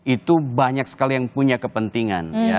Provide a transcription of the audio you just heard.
itu banyak sekali yang punya kepentingan